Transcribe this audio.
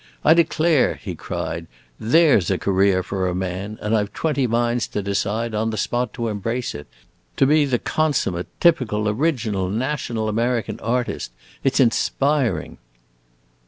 "I declare," he cried, "there 's a career for a man, and I 've twenty minds to decide, on the spot, to embrace it to be the consummate, typical, original, national American artist! It 's inspiring!"